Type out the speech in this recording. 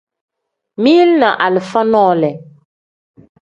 Mili ni alifa nole.